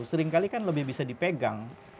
seringkali kan lebih bisa dipegang